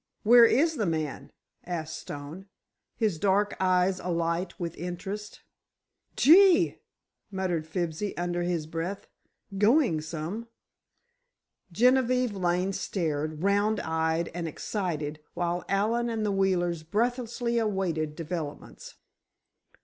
Where is the man?" asked Stone, his dark eyes alight with interest. "Gee!" muttered Fibsy, under his breath, "going some!" Genevieve Lane stared, round eyed and excited, while Allen and the Wheelers breathlessly awaited developments.